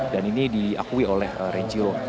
dan ini diakui oleh renjiro